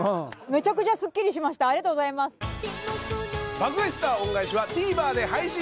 『爆買い☆スター恩返し』はＴＶｅｒで配信中。